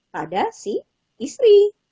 pada si istri